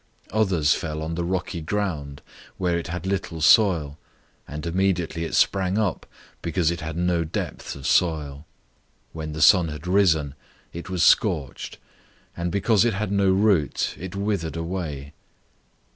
004:005 Others fell on the rocky ground, where it had little soil, and immediately it sprang up, because it had no depth of soil. 004:006 When the sun had risen, it was scorched; and because it had no root, it withered away.